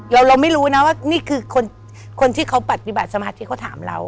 เราไม่รู้นะว่านี่คือคนที่เขาปฏิบัติสมาธิเขาถามเรา